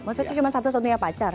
maksudnya cuma satu satunya pacar